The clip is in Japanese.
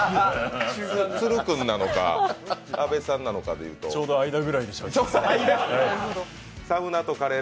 都留君なのか阿部さんなのかでいうとちょうど間ぐらいでしょうか。